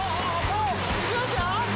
◆行きますよ？